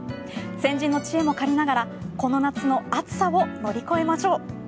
先人の知恵も借りながらこの夏の暑さを乗り越えましょう。